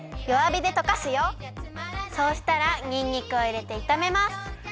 そうしたらにんにくをいれていためます。